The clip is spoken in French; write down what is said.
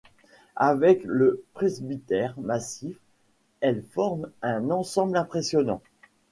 Avec le presbytère massif, elle forme un ensemble impressionnant.